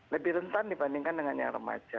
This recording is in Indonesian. lebih rentan dibandingkan dengan yang remaja